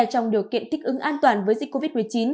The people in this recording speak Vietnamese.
trong điều kiện thích ứng an toàn với dịch covid một mươi chín